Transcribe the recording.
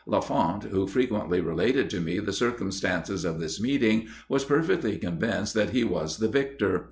Lafont, who frequently related to me the circumstances of this meeting, was perfectly convinced that he was the victor.